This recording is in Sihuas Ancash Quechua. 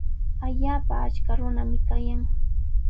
Allaapa achka runami kayan.